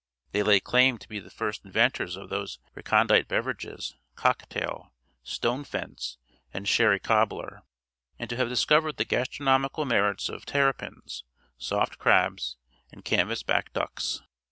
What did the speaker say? They lay claim to be the first inventors of those recondite beverages, cock tail, stone fence, and sherry cobbler, and to have discovered the gastronomical merits of terrapins, soft crabs, and canvas back ducks.